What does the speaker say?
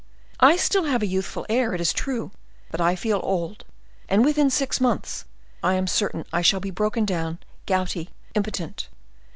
I have still a youthful air, it is true, but I feel old, and within six months I am certain I shall be broken down, gouty, impotent.